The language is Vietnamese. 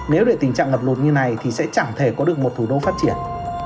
nếu để tình trạng ngập lột như này thì sẽ chẳng thể có được một thủ đô phát triển